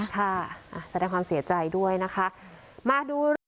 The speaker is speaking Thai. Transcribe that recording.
ค่ะอ่าแสดงความเสียใจด้วยนะคะมาดู